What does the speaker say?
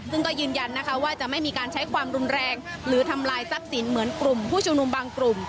ซึ่งก็ยืนยันนะคะว่าจะไม่มีการใช้ความรุนแรงหรือทำลายทรัพย์สินเหมือนกลุ่มผู้ชุมนุมบางกลุ่ม